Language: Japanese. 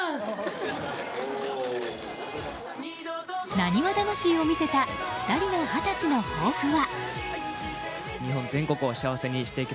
なにわ魂を見せた２人の二十歳の抱負は。